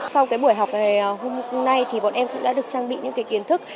sau buổi học hôm nay thì bọn em cũng đã được trang bị những kiến thức